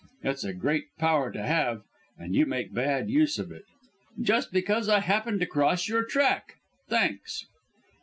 It's a great power to have, and you make bad use of it." "Just because I happen to cross your track. Thanks."